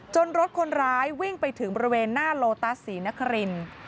รถคนร้ายวิ่งไปถึงบริเวณหน้าโลตัสศรีนครินทร์